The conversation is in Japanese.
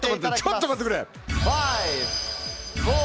ちょっと待ってくれ！